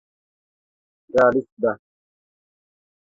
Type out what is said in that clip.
Realîst be.